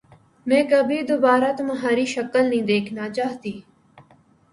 میں کبھی دوبارہ تمہاری شکل نہیں دیکھنا چاہتی۔